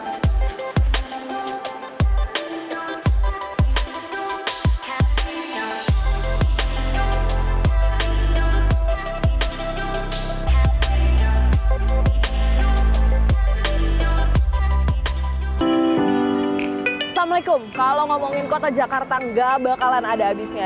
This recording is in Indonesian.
assalamualaikum kalau ngomongin kota jakarta nggak bakalan ada abisnya